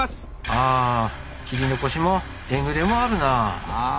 あ切り残しもえぐれもあるなあ。